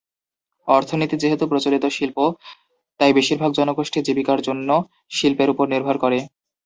অর্থনীতি যেহেতু প্রচলিত শিল্প, তাই বেশিরভাগ জনগোষ্ঠী জীবিকার জন্য শিল্পের উপর নির্ভর করে।